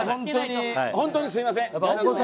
本当に、すみません。